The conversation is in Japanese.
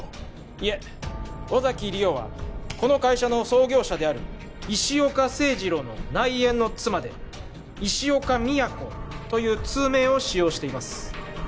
いえ尾崎莉桜はこの会社の創業者である石岡清治郎の内縁の妻で石岡美也子という通名を使用しています